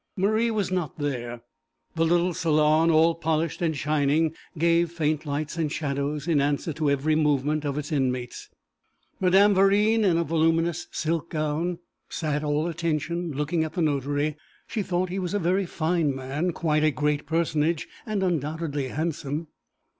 Marie was not there. The little salon, all polished and shining, gave faint lights and shadows in answer to every movement of its inmates. Madame Verine, in a voluminous silk gown, sat all attention, looking at the notary; she thought he was a very fine man, quite a great personage, and undoubtedly handsome.